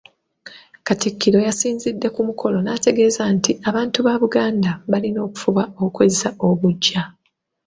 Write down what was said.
Katikkiro yasinzidde ku mukolo n’ategeeza nti abantu ba Buganda balina okufuba okwezza obuggya.